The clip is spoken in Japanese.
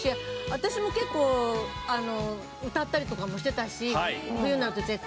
私も結構歌ったりとかもしてたし冬になると絶対。